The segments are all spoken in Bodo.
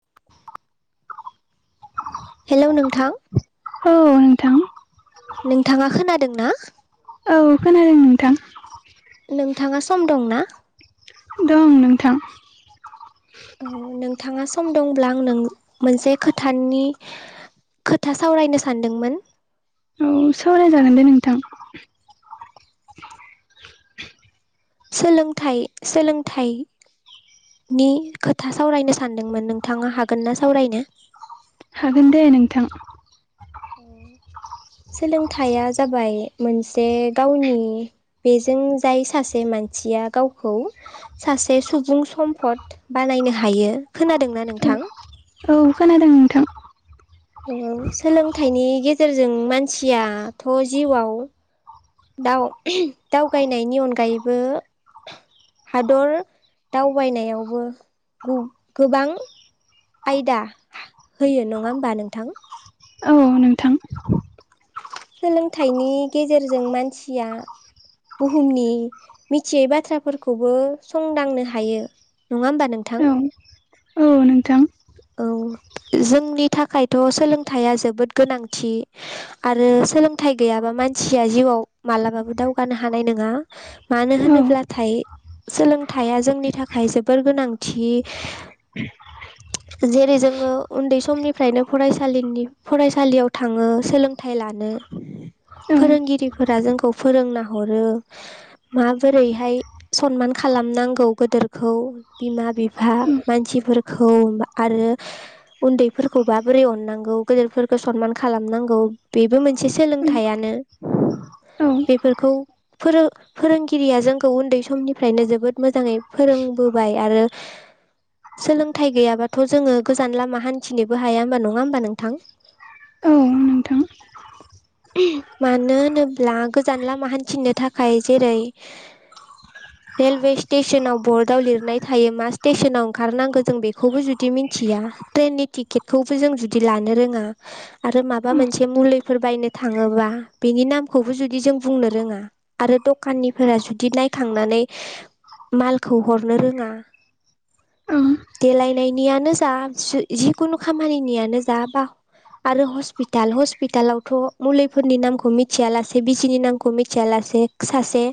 [inaudible] हेलौ नोंथां। औ नोंथां। नोंथाङा खोनादों ना। औ खोनादों नोंथां। नोंथाङा सम दं ना दं नोंथां। औ नोंथाङा सम दंब्ला आं नों मोनसे खोथानि। खोथा सावरायनो सानदोंमोन औ सावरायजागोन दे नोंथां सोलोंथाइ सोलोंथाइ। नि खोथा सावरायनो सानदोंमोन नोंथाङा हागोन ना सावरायनो हागोन दे नोंथां। औ सोलोंथाइया जाबाय मोनसे गावनि बेजों जाय सासे मान थिया गावखौ सासे सुबुं सम्पद बानायनो हायो खोनादोंना नों नोंथां। औ खोनादों नोंथां। औ सोलोंथाइनि गेजेरजों मानसियाथ' जिउआव दाउ दाव गायनायनि अनगायैबो हादर दावबायनायावबो गोबां आयदा होयो नङा होमबा नोंथां औ नोंथां सोलोंथाइनि गेजेरजों मानसिया बुहुमनि मिथियै बाथ्राफोरखौबो संदांनो हायो नङा होमबा नोंथां। औ। औ नोंथां औ जोंनि थाखायथ' सोलोंथाइया जोबोद गोनांथि आरो सोलोंथाइ गैयाबा मानसिया जिउआव मालाबाबो दावगानो हानाय नङा मानो औ होनोब्ला थाइ सोलोंथाइया जोंनि थाखाय जोबोर गोनांथि जेरै जोङो उन्दै समनिफ्रायनो फरायसालिनि फरायसालियाव थाङो सोलोंथाय लानो। औ फोरोंगिरिफोरा जोंखौ फोरोंना हरो माबोरैहाय सनमान खा खालामनांगौ गोदोरखौ बिमा बिफा मानसिफोरखौ। औ होनबा आरो। उन्दैफोरखौबा बोरै अननांगौ गेदेरफोरखौ सनमान खालामनांगौ बेबो मोनसे सोलोंथायानो। औ बेफोरखौ। फोरो फोरोंगिरिया जोंखौ उन्दै समनिफ्रायनो जोबोद मोजाङै फोरोंबोबाय आरो सोलों गथाय गैयाब्लाथ' जोंङो गोजान लामा हान्थिनोबो हाया नङा होमबा नोंथां। औ नोंथां [inaudible] मानो होनोब्ला गोजान लामा हान्थिनो थाखाय जेरै। रेलवे स्टेसनाव बर्डआव लिरनाय थायो मा स्टेसनाव ओंखारनांगोन। जों बेखौबो जुदि मिथिया ट्रेननि टिकेटखौबो जों जुदि लानो रोङा आरो माबा मोन माखासे मुलिफोर बायनो थांङोबा बेनि नामखौबो जुदि जों बुंनो रोंङा आरो दखानिफोरा-। जुदि नायखांनानै मालखौ हरनो रोङा औ देलायनायनियानो जा जिखुनु खामानिनियानो जा बा आरो हस्पिताल हस्पितालावथ' मुलिफोरनि नामखौ मिथिया लासे बिजिनि नामखौ मिथिया लासे से सासे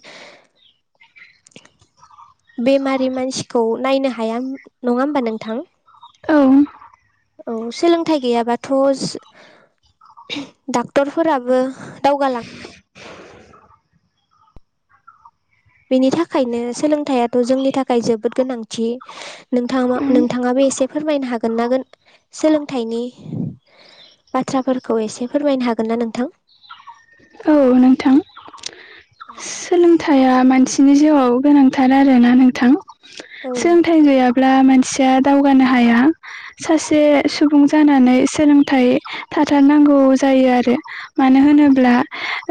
बेमारि मानसिखौ नायनो हाया नङा होमबा नोंथां औ सोलोंथाइ गैयाबाथ' डाक्टरफोराबो दावगालां बेनि थाखायनो सोलोंथाइथ' जोंनि थाखाय जोबोद गोनांथि नोंथांमा-नोंथाङा बे एसे फोरमायनो हागोनोन गोन-सोलोंथनि बाथ्राफोरखौ एसे फोरमायनो हागोन ना नोंथां औ नोंथां [unintelligible] सोलोंथाइया मानसिनि जिउआव गोनांथार आरोना नोंथां औ सोलोंथाइ नोंथां गैयाब्ला मानसिया दावगानो हाया सासे सुबुं जानानै सोलोंथाइ थाथारनांगौ जायो आरो मानो होनोब्ला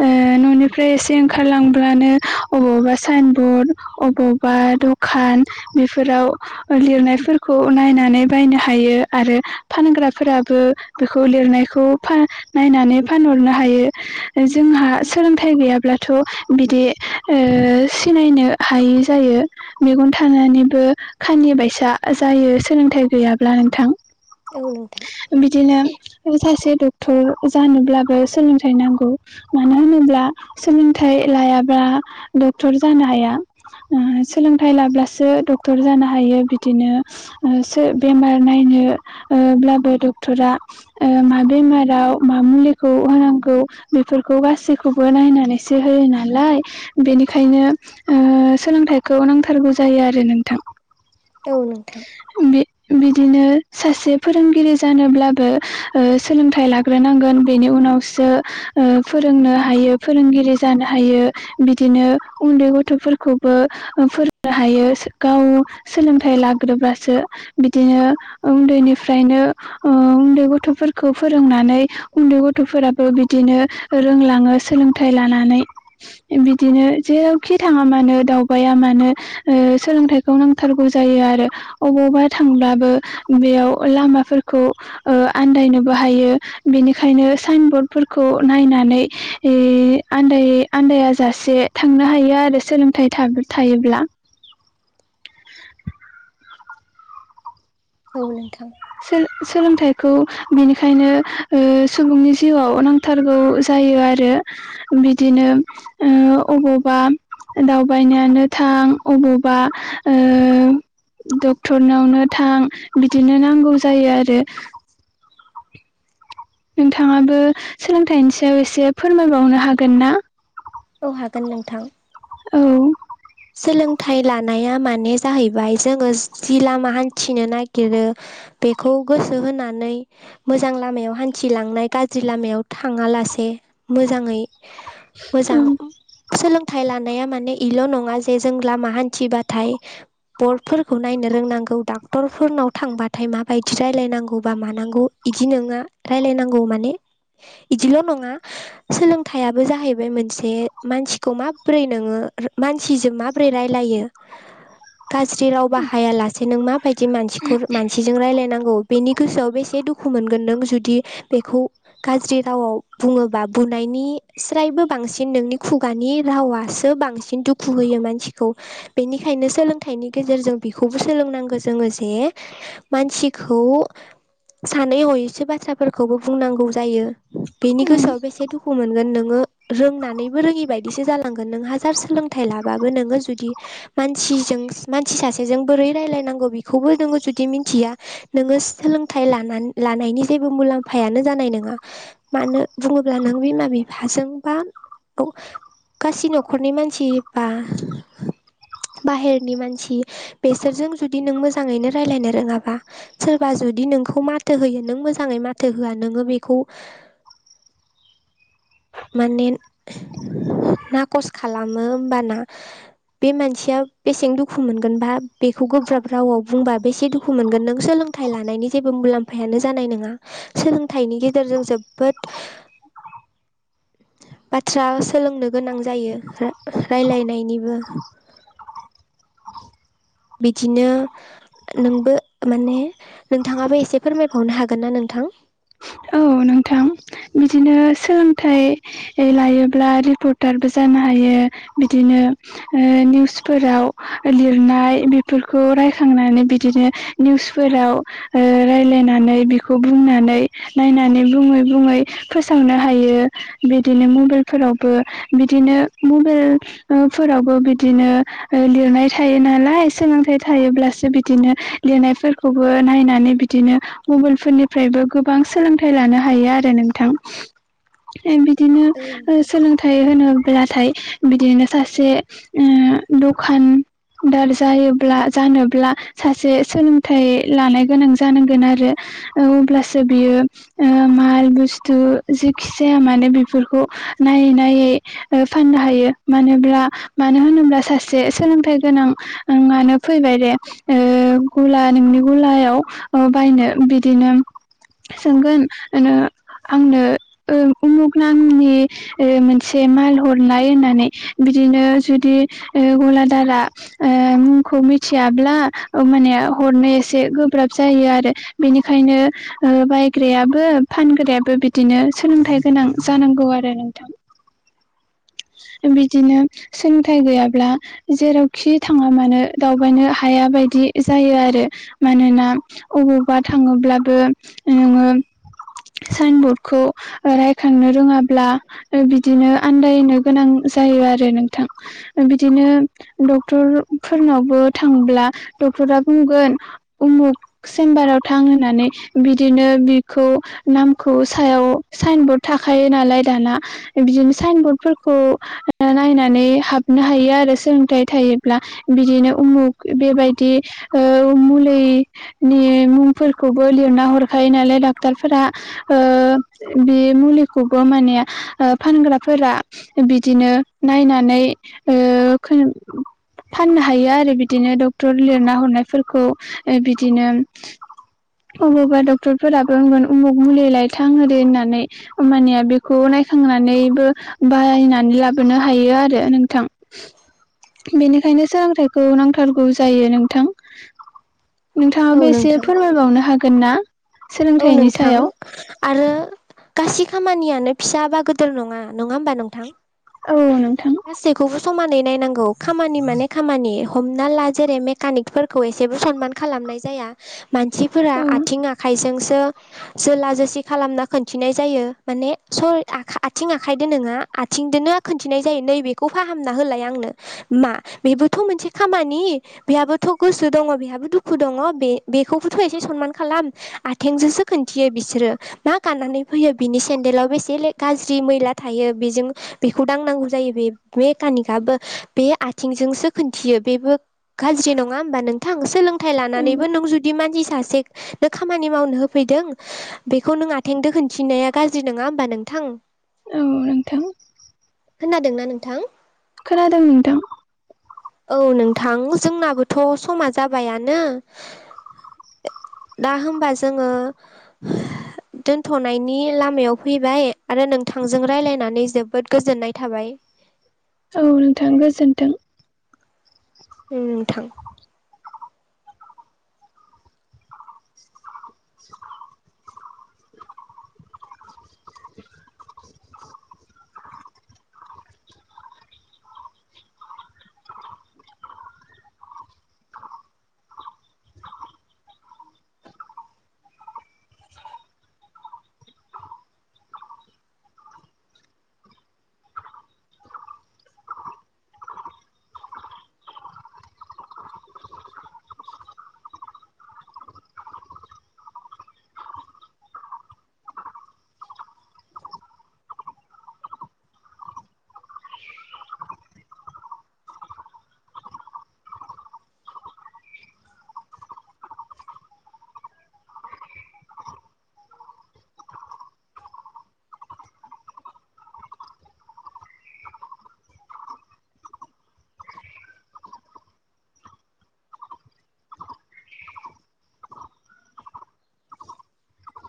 ओ ननिफ्राय इसे ओंखारलांब्लानो अ बबावबा साइन बरर्ड अबावबा दखान बेफोराव लिरनायफोरखौ नायनानै बायनो हायो आरो फानग्राफोराबो बेखौ लिरनायखौ फा नायनानै फानहरनो हायो जोंहा सोलोंथाइ गैयाब्लाथ' बिदि ओ सिनायनो हायै जायो मेगन थानानैबो खानि निबायसा जायो सोलोंथाइ गैयाब्ला नोंथां औ नोंथां बिदिनो सासे डक्टर जानोब्लाबो सोलोंथाइ नांगौ मानो होनोब्ला सोलोंथाइ लायाब्ला डक्टर जानो हाया। ओ सोलोंथाइ लाब्लासो डक्टर जानो हायो बिदिनो ओ सो बेमार नायनो यो ब्लाबो डक्टरा ओ मा बेमाराव मा मुलिखौ होनांगौ बेफोरखौ गासैखौबो नायनानैसो होयोना नालाय बेनिखायनो ओ सोलोंथाइखौ नांथारगौ जायो आरो नोंथां। औ नोंथां बे बिदिनो सासे फोरोंगिरि जानोब्लाबो ओ सोलोंथाइ लाग्रोनांगोन बेनि उनावसो फोरोंनो हायो फोरोंगिरि जानो हायो बिदिनो उन्दै गथ'फोरखौबो फोरोंनो हायो गाव। सोलोंथाइ लाग्रोबसो बिदिनो उन्दैनिफ्रायनो ओ उन्दै गथ'फोर फोरखौ फोरोंनानै उन्दै गथ'फोराबो बिदिनो रोंलाङो सोलोंथाइ लानानै। [inaudible] बिदिनो जेरावखि थाङा मानो दावबायाया मानो सोलोंथाइखौ नांथारगौ जायो। आरो अबावबा थांब्लाबो बेयाव लामाफोरखौ ओ आन्दायनोबो हायो। ओ बेनिखायनो साइन बरर्डफोरखौ नायनानै ए आन्दायै। आन्दायाजासे थांनो हायो आरो सोलोंथाइ थायोब्ला। [unintelligible] औ नोंथां। सो सोलोंथाइखौ बिनिखायनो सुबुंनि ओ जिउआव नांथारगौ जा। जायो आरो बिदिनो ओ अबावबा। दावबायनोयानो थां अबावबा ओ। डक्टरनावनो थां बिदिनो नांगौ जायो आरो। नोंथाङाबो सोलोंथाइनि सायाव एसे फोरमायबावनो हागोन ना। औ हागोन नोंथां। औ। सोलोंथाइ लानाया मान जाहैबाय जोंङो जि लामा हान्थिनो नागिरो। बेखौ गोसो होनानै मोजां लामायाव हान्थिलांनाय गाज्रि लामायाव थाङा लासे। मोजाङै मोजां औ सोलोंथाइ लानाया माने इल' नङा। जे जों लामा हान्थिबाथाय। बर्डफोरखौ नायनो रोंनांगौ डाक्टरफोरनाव थांबाथाय माबायदि रायलायनांगौ बा मानांगौ। बिदि नोङा रायलायनांगौ माने बिदिल' नङा सोलोंथायाइयाबो जाहैबाय मोनसे मानसिखौ माब्रै नोङो ओ मानसिजों माब्रै रायलायो गाज्रि राव बाहायालासे नों म बायदि मानसिखौ मानसिजों रायजलायनांगौ। बेनि गोसोआव बेसे दुखु मोनगोन नों जुदि बेखौ गाज्रि रावाव बुंङोबा बुनाय नि स्रायबो बांसिन नोंनि खुगानि रावासो बांसिन दुखु दुखु होयो मानसिखौ बेनिखायनो सोलोंथाइनि गेजेरजों बेखौबो सोलोंनांगौ जोंङो जे मानसिखौ सानै हयैसो बाथ्राफोरखौबो बुंनांगौ जायो। बेनि औ गोसोआव बेसे दुखु मोनगोन नों रोंनानैबो रोङि बायदिसो जांगोन नों हाजार सोलों थाइ लाबाबो नों जुदि मानसिजों मानसि सासेजों बोरै रायलानांगौ बिखौबो नोङो जु जुदि मिथिया नोङो सोलोंथाइ लाना- लानायनि जेबो मुलाम्फायानो जानाय नङा। मानो बुङोब्ला नों बिमा बिफाजों बा गासै न'खरनि मानसि बा। बाहेरनि मानसि बेसोरजों जुदि नों मोजाङैनो रायलायनो रोङाबा सोरबा जुदि जुदि नोंखौ माथो होयो नों मोजाङै माथो होआ नोङो बेखौ। माने ना खस खालामो होमबाना बे मानसिया बेसे दुखु मोनगोन बा बेखौ गोब्राब रावआव बुंबा बेसे दुखु मोनगोन नों सोलों सोलोंथाइ लानायनि जेबो मुलाम्फायानो जानाय नोङा सोलोंथाइनि गेजेरजों जोबोद- [inaudible] बाथ्रा सोलोंनो गोनां जायो राय रायलायनायनिबो बिदिनो नोंबो माने नोंथाङाबो एसे फोरमायबावनो हागोन ना नोंथां। [inaudible] औ नोंथां बिदिनो सोलोंथाइ लायोब्ला रिपर्टारबो जानो हायो बिदिनो ओ निउसफोराव लिरनाय बेफोरखौ रायखांनानै बिदिनो निउसफोराव ओ राय्लायनानै बिखौ बुंनानै नायनानै बुङै बुङै फोसावनो हायो बिदिनो मबाइल फोरावबो बिदिनो ओ मबेल फोरावबो बिदिनो लिरनाय थायो नालाय सोलोंथाइ थायो ब्लास बिदिनो लिरनायफोरखौबो नायनानै बिदिनो मबेलफोरनिफ्रायबो गोबां सोलोंथाइ लानो हायो आरो नोंथां। बिदिनो औ सोलोंथाइ होनो ब्लाथाय बिदिनो सासे ओ दखान दार जायोब्ला जानोब्ला सासे सोलोंथाइ लानाय गोनां जानांगोन आरो औ अबलासो बियो ओ माल बुस्थु जेखि जाया मानो बेफोरखौ नायै-नायै फाननो हायो। मानोब्ला मानो होनोब्ला सासे सोलोंथाइ गोनां मानो फैबाय दे ओ गला नोंनि गलायाव ओ बायनो बिदिनो सोंगोन नो आंखो ओ उमुक नांनि मोनसे दे माल हरनाय होननानै बिदिनो जुदि ओ गलादारा ओ मुं खौ मिथियाब्ला माने हरनो एसे गोब्राब जायो आरो बेनिखायनो बायग्रायाबो फानग्रायाबो बिदिनो सोलोंथाइ गोनां जानांगौ आरो नोंथां [inaudible] बिदिनो सोलोंथाइ गैयाब्ला जेरावखि थाङा मानो दावबायनो हाया बायदि जायो आरो मानोना अबावबा थाङोब्लाबो नोङो साइनबर्डखौ रायखांनो रोङाब्ला बिदिनो आन्दायनो गोनां जायो आरो नोंथां बिदिनो डक्टर फोरनावबो थांब्ला आ डक्टरा बुंगोन उमुक सेम्बाराव थां होननानै बिदिनो बिखौ नखौ सायाव साइन बर्ड थाखायो नालाय दाना बिदिनो साइन बर्ड खौ नायनानै हाबनो हायो आरो सोलोंथाइ थायोब्ला बिदिनो उमुक बेबायदि ओ मुलिनि मुंफोरखौबो लिरना हरखायो नालाय डक्टर फोरा ओ बे मुलिखौबो माने ओ फानग्राफोरा बिदिनो नायनानै ओ खो फाननो हायो आरो बिदिनो डक्टर लिरना हरनायफोरखौ ओ बिदिनो अबावबा डक्टरफोराबो होनगोन उमुक मुलिलाय थां ओरै होननानै होनबानिया बेखौ नाय खांनानैबो बाहायनानै लाबोनो हायो आरो नोंथां बेनिखायनो सोलोंथाइखौ नांथारगौ जायो नोंथां औ नोंथाङाबो एसे नोंथां फोरमायबावनो हागोन ना औ सोलोंथाइनि नोंथां सायाव आरो गासि खामानियानो फिसा बा गोदोर नङा नङा होमबा नोंथां औ गासैखौबो समानै नायनांगौ खामानि माने खामानि हमना ला जेरै मेकानिकफोरखौ एसेबो सनमान खालामनाय जाया मानसिफोरा औ आथिं आखाइजों जोला जोसि खालामना खोनन्थिनाय जायो माने स आथिं आखाइदो नोङा आथिंजोंनो खिन्थिनाय नै बेखौ फाहामना होलाय आंनो मा बेबोथ' मोनसे खामानि बेहाबोथ' गोसो दङ बेहाबो दुखु दङ बे बेखौबोथ' एसे सनमान खालाम आथेंजोंसो खोनन्थियो बिसोरो मा गाननानै फैयो बिनि सेन्देलाव बेसे गाज्रि मैला थायो बेजों बेखौ दांनांगौ जायो मेकानिकाबो बे आथिंजोंसो खोन्थियो बेबो गाज्रि नङा होमबा नोंथां नोंथां सोलोंथाइ औ लानानैबो नों जुदि मानसि सासेनो खामानि मावनो होफैदों बेखौ नों आथेंजों खोनथिनाया गाज्रि नङा होमबा नोंथां औ नोंथां खोनादोंना नोंथां? खोनादों नोंथां औ नोंथां जोंनाबोथ' समा जाबायानो दा होमबा जोङो दोनथ'नायनि लामायाव फैबाय आरो नोंथांजों रायलायनानै जोबोद गोजोननाय थाबाय। औ नोंथां गोजोन्थों ओ नोंथां [inaudible] [unintelligible]